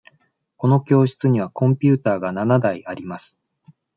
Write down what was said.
この教室にはコンピューターが七台あります。